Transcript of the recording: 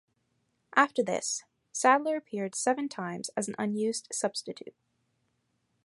After this, Sadler appeared seven times as an unused substitute.